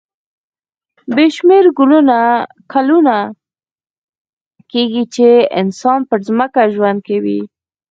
بې شمېره کلونه کېږي چې انسان پر ځمکه ژوند کوي.